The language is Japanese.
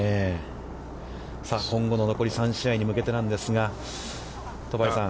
さあ今後の残り３試合に向けてなんですが戸張さん。